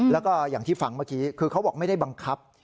แล้วก็อย่างที่ฟังเมื่อกี้คือเขาบอกไม่ได้บังคับ